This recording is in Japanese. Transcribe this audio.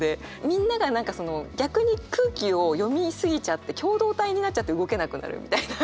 みんなが逆に空気を読み過ぎちゃって共同体になっちゃって動けなくなるみたいな。